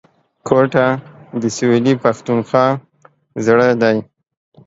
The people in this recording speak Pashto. کوټه د سویلي پښتونخوا زړه دی